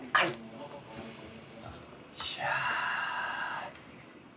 いや。